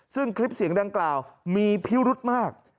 ซึ่งคลิปเสียงดังกล่าวมีพิรุธมาก